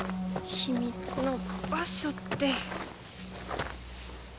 秘密の場所って。